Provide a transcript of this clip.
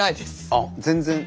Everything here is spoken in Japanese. あっ全然？